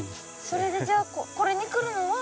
それでじゃあこれに来るのは？